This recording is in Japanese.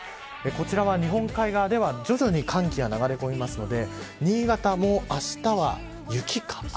日本海側では徐々に寒気が流れ込みますので新潟もあしたは雪か雨。